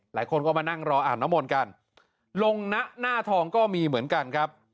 หลายคนก็มานั่งรออ่านน้ำมนต์กันลงนะหน้าทองก็มีเหมือนกันครับ